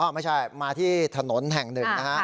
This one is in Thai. ไม่ใช่มาที่ถนนแห่งหนึ่งนะฮะ